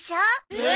えっ？